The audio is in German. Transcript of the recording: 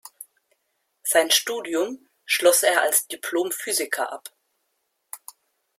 Sein Studium schloss er als Diplomphysiker ab.